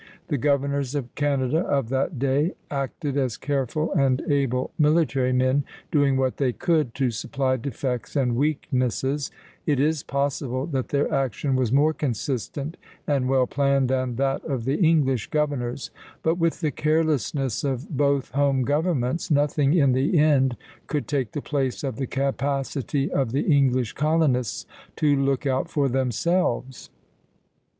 The governors of Canada of that day acted as careful and able military men, doing what they could to supply defects and weaknesses; it is possible that their action was more consistent and well planned than that of the English governors; but with the carelessness of both home governments, nothing in the end could take the place of the capacity of the English colonists to look out for themselves.